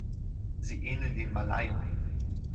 Sie ähneln den Malaien.